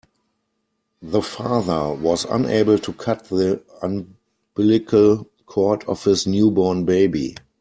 The father was unable to cut the umbilical cord of his newborn baby.